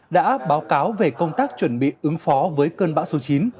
đã báo cáo về công tác chuẩn bị ứng phó với cơn bão số chín